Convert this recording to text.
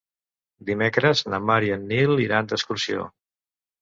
Dimecres na Mar i en Nil iran d'excursió.